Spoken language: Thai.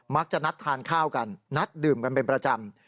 มักจะนัดทานข้าวกันนัดดื่มกันเป็นประจำ